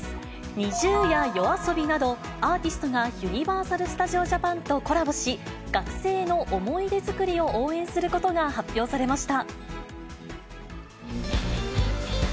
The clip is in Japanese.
ＮｉｚｉＵやＹＯＡＳＯＢＩなど、アーティストがユニバーサル・スタジオ・ジャパンとコラボし、学生の思い出作りを応援することが発表されました。